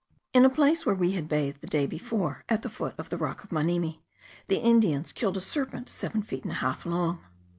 In a place where we had bathed the day before, at the foot of the rock of Manimi, the Indians killed a serpent seven feet and a half long.